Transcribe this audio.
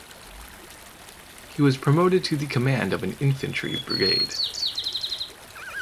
He was promoted to the command of an infantry brigade.